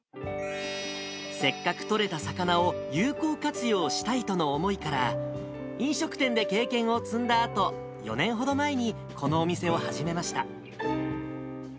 せっかく取れた魚を有効活用したいとの思いから、飲食店で経験を積んだあと、４年ほど前に、このお店を始めました。